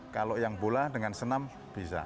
kalau yang bola dengan senam bisa